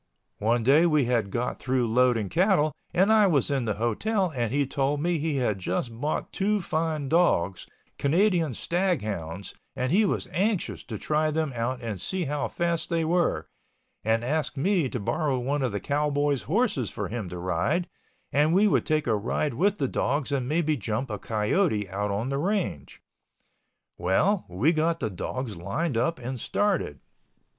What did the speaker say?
One day we had got through loading cattle and I was in the hotel and he told me he had just bought two fine dogs, Canadian stag hounds, and he was anxious to try them out and see how fast they were, and asked me to borrow one of the cowboys' horses for him to ride and we would take a ride with the dogs and maybe jump a coyote out on the range. Well, we got the dogs lined up and started.